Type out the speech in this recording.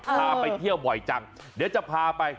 พาไปเที่ยวบ่อยจังเดี๋ยวจะพาไป